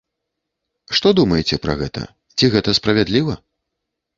Што думаеце пра гэта, ці гэта справядліва?